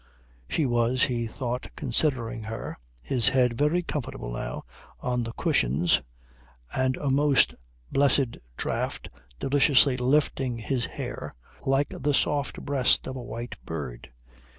She was, he thought considering her, his head very comfortable now on the cushions and a most blessed draught deliciously lifting his hair, like the soft breast of a white bird.